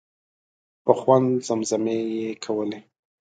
په خوند زمزمې یې کولې.